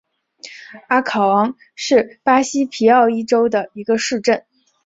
阿考昂是巴西皮奥伊州的一个市镇。